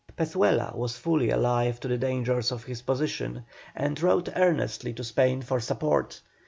Pezuela was fully alive to the dangers of his position, and wrote earnestly to Spain for support.